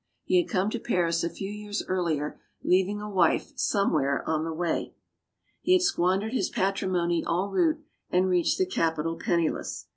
He had come to Paris a few years earlier, leav ing a wife somewhere on the way. He had squandered his patrimoney en route, and reached the capital penniless.